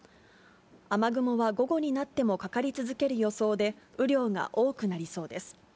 雨雲は午後になってもかかり続ける予想で、雨量が多くなりそうです。